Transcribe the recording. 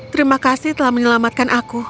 terima kasih telah menyelamatkan aku